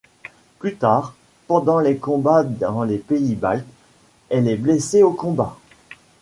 Plus tard, pendant les combats dans les pays Baltes, elle est blessée au combat.